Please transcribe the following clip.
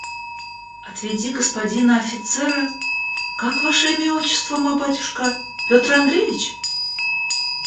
Отведи господина офицера… как ваше имя и отчество, мой батюшка? Петр Андреич?..